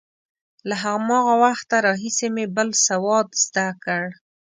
له هماغه وخته راهیسې مې بل سواد زده کړ.